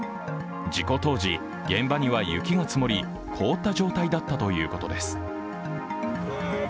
事故当時、現場には雪が積もり凍った状態だったということです。